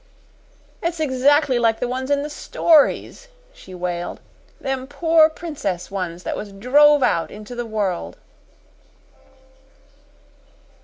"It's exactly like the ones in the stories," she wailed. "Them pore princess ones that was drove into the world."